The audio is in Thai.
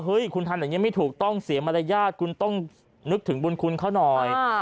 คุณทำอย่างนี้ไม่ถูกต้องเสียมารยาทคุณต้องนึกถึงบุญคุณเขาหน่อย